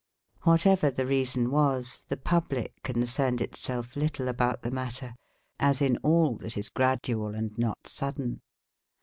Whatever the reason was, the public concerned itself little about the matter, as in all that is gradual and not sudden.